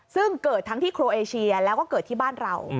ซึ่งเกิดทั้งที่โครเอเชียแล้วก็เกิดที่บ้านเรา